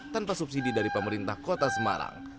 tanpa subsidi dari pemerintah kota semarang